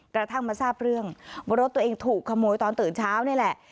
กระทั่งมาทราบเรื่องว่ารถตัวเองถูกขโมยตอนตื่นเช้านี่แหละ